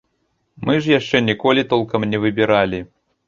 Мы ж яшчэ ніколі толкам не выбіралі.